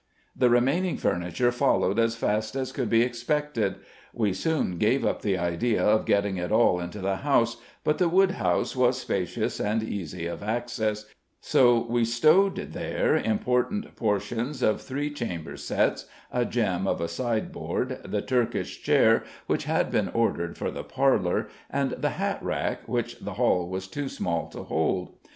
The remaining furniture followed as fast as could be expected; we soon gave up the idea of getting it all into the house; but the woodhouse was spacious and easy of access, so we stowed there important portions of three chamber sets, a gem of a sideboard, the Turkish chair, which had been ordered for the parlor, and the hat rack, which the hall was too small to hold.